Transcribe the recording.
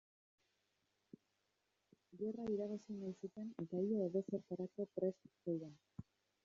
Gerra irabazi nahi zuten eta ia edozertarako prest zeuden.